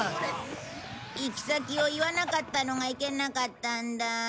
行き先を言わなかったのがいけなかったんだ。